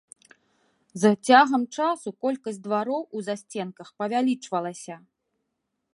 З цягам часу колькасць двароў у засценках павялічвалася.